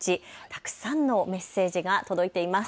たくさんのメッセージが届いてます。